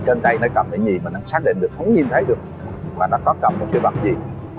trên tay nó cầm cái gì mà nó xác định được không nhìn thấy được mà nó có cầm một cái bắp gì